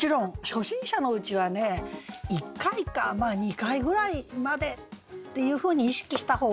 初心者のうちはね１回か２回ぐらいまでっていうふうに意識した方がいいかもしれないですね。